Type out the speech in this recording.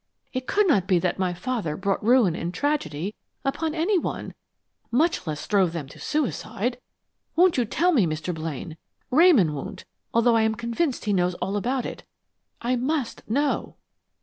It could not be that my father brought ruin and tragedy upon any one, much less drove them to suicide. Won't you tell me, Mr. Blaine? Ramon won't, although I am convinced he knows all about it. I must know."